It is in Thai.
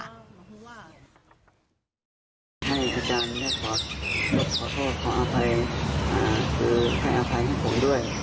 ให้อาจารย์ขอโทษขออภัยคือให้อภัยให้ผมด้วย